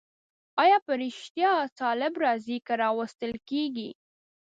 آیا په رښتیا طالب راځي که راوستل کېږي؟